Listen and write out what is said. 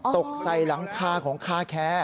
ตกใส่หลังคาของคาแคร์